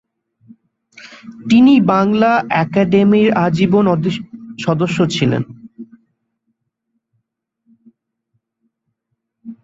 তিনি বাংলা একাডেমীর আজীবন সদস্য ছিলেন।